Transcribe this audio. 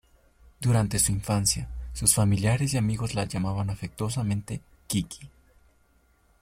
Durante su infancia, sus familiares y amigos la llamaban afectuosamente "Kiki".